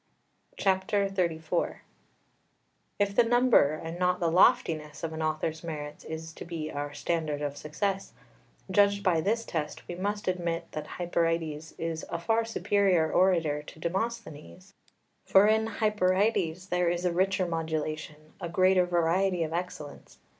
XXXIV If the number and not the loftiness of an author's merits is to be our standard of success, judged by this test we must admit that Hyperides is a far superior orator to Demosthenes. For in Hyperides there is a richer modulation, a greater variety of excellence.